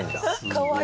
かわいい。